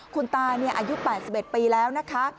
คุณตาอายุ๘๑ปีแล้วนะคะ